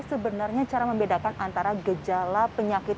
sebenarnya cara membedakan antara gejala penyakit